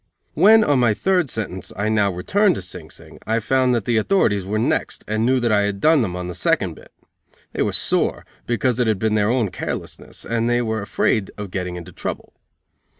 When, on my third sentence, I now returned to Sing Sing, I found that the authorities were "next," and knew that I had "done" them on the second bit. They were sore, because it had been their own carelessness, and they were afraid of getting into trouble.